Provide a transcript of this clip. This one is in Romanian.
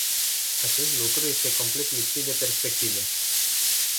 Acest lucru este complet lipsit de perspective.